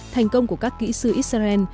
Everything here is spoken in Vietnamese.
thành công của các kỹ sư israel